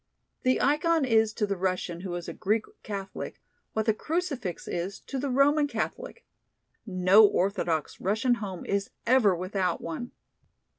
The ikon is to the Russian who is a Greek Catholic what the crucifix is to the Roman Catholic. No orthodox Russian home is ever without one.